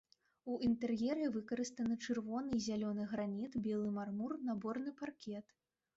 У інтэр'еры выкарыстаны чырвоны і зялёны граніт, белы мармур, наборны паркет.